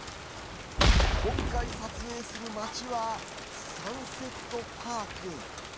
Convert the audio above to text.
今回、撮影する街はサンセットパーク。